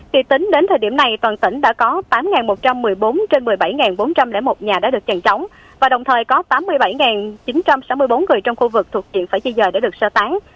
kỳ tính đến thời điểm này toàn tỉnh đã có tám một trăm một mươi bốn trên một mươi bảy bốn trăm linh một nhà đã được chàn trống và đồng thời có tám mươi bảy chín trăm sáu mươi bốn người trong khu vực thuộc diện phải di dời để được sơ tán